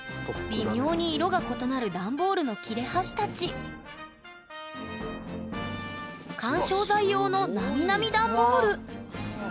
微妙に色が異なるダンボールの切れ端たち緩衝材用のなみなみダンボールうわあ！